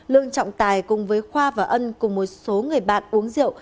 lương trọng tài cùng với khoa và ân cùng một số người bạn uống rượu